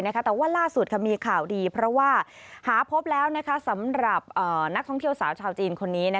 แต่ว่าล่าสุดมีข่าวดีเพราะว่าหาพบแล้วสำหรับนักท่องเที่ยวสาวชาวจีนคนนี้